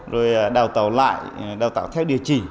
rồi đào tạo lại đào tạo theo địa chỉ